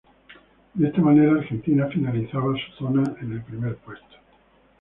De esta manera, Argentina finalizaba su zona en el primer puesto.